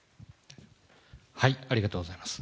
ありがとうございます。